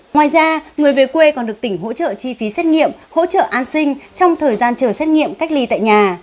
ngoài ra người về quê còn được tỉnh hỗ trợ chi phí xét nghiệm hỗ trợ an sinh trong thời gian chờ xét nghiệm cách ly tại nhà